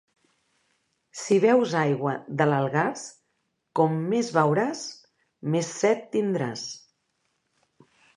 Si beus aigua de l'Algars, com més beuràs, més set tindràs.